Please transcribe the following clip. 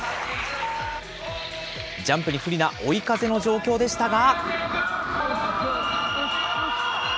ジャンプに不利な追い風の状況でしたが。